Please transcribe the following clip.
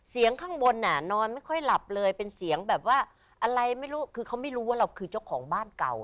ข้างบนอ่ะนอนไม่ค่อยหลับเลยเป็นเสียงแบบว่าอะไรไม่รู้คือเขาไม่รู้ว่าเราคือเจ้าของบ้านเก่า